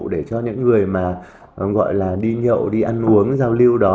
để cho những người mà gọi là đi nhậu đi ăn uống giao lưu đó